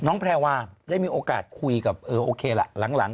แพรวาได้มีโอกาสคุยกับเออโอเคล่ะหลัง